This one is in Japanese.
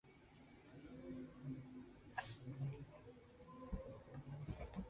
あとなんこ書かなきゃいけないのだろう